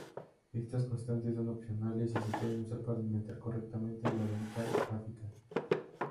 Estas constantes son opcionales y se pueden usar para alinear correctamente la ventana gráfica.